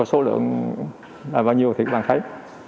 số lượng là bao nhiêu thì các bạn thấy